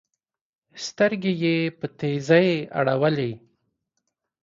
سترګي یې په تېزۍ اړولې